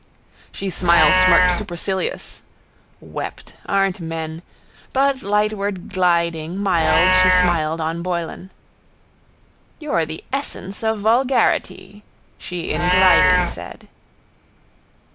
She smilesmirked supercilious (wept! aren't men?), but, lightward gliding, mild she smiled on Boylan. —You're the essence of vulgarity, she in gliding said.